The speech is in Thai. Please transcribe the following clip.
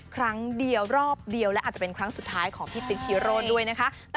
ครั้งเดียวรอบเดียวและอาจจะเป็นครั้งสุดท้ายของพี่ติ๊กชีโร่ด้วยนะคะ